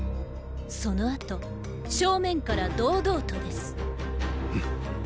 その後正面から堂々とです。。